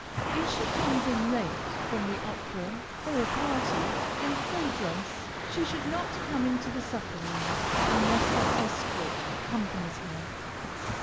If she comes in late from the opera or a party, in full dress, she should not come into the supper room, unless her escort accompanies her.